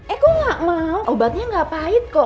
eh kok gak mau obatnya gak pahit kok